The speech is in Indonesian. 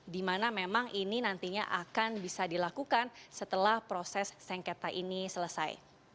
di mana memang ini nantinya akan bisa dilakukan setelah proses sengketa ini selesai